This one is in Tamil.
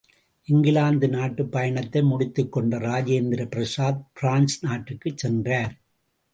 இங்கிலாந்து நாட்டுப் பயணத்தை முடித்துக் கொண்ட ராஜேந்திர பிரசாத் பிரான்ஸ் நாட்டிற்குச் சென்றார்.